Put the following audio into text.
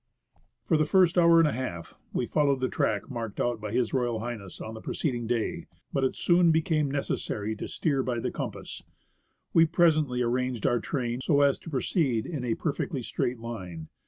For the first hour and a half we followed the track marked out by H.R. H. on the preceding day, but it soon became necessary to steer by the compass. We presently arranged our train so as to proceed in a perfectly straight line.